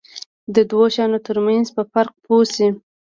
د دوو شیانو ترمنځ په فرق پوه شي.